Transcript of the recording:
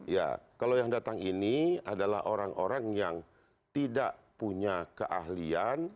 ya kalau yang datang ini adalah orang orang yang tidak punya keahlian